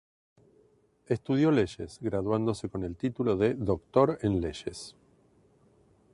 Estudió leyes, graduándose con el título de Doctor en Leyes.